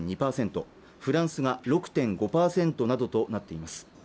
フランスが６．５％などとなっています